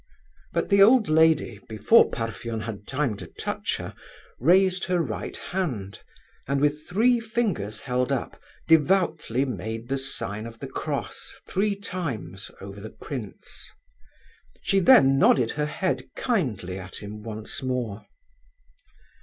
But the old lady, before Parfen had time to touch her, raised her right hand, and, with three fingers held up, devoutly made the sign of the cross three times over the prince. She then nodded her head kindly at him once more.